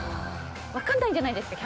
分からないじゃないですか。